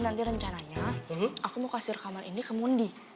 nanti rencananya aku mau kasih rekaman ini ke mundi